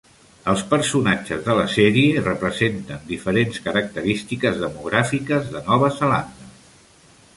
Els personatges de la sèrie representen diferents característiques demogràfiques de Nova Zelanda.